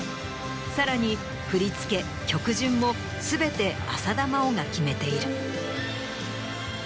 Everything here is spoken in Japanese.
さらに振り付け曲順も全て浅田真央が決めている。